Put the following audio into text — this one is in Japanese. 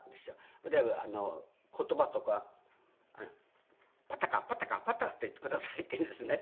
例えば言葉とか「パタカパタカパタカって言ってください」っていうですね